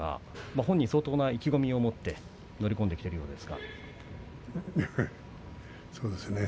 本人は相当、意気込みを持って乗り込んできているようです。